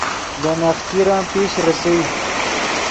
لے نخچرن پیش ریسئے